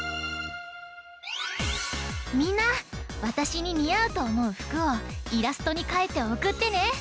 みんなわたしににあうとおもうふくをイラストにかいておくってね！